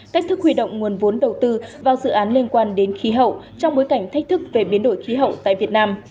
cách thức huy động nguồn vốn đầu tư vào dự án liên quan đến khí hậu trong bối cảnh thách thức về biến đổi khí hậu tại việt nam